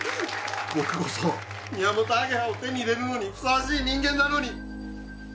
僕こそミヤモトアゲハを手に入れるのにふさわしい人間なのに！